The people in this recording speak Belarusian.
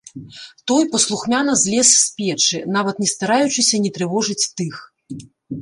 Той паслухмяна злез з печы, нават не стараючыся не трывожыць тых.